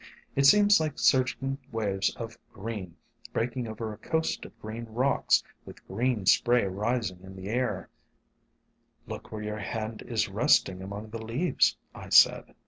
It seems like surg ing waves of green, breaking over a coast of green rocks, with green spray rising in the air." SOME HUMBLE ORCHIDS "Look where your hand is resting among the leaves," I said.